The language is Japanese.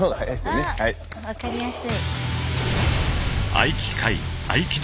分かりやすい。